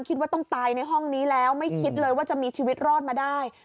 คิดว่าต้องตายในห้องนี้แล้วไม่คิดเลยว่าจะมีชีวิตรอดมาได้